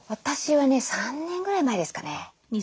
私はね３年ぐらい前ですかね。